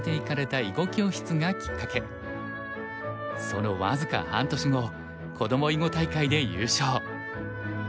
その僅か半年後子ども囲碁大会で優勝。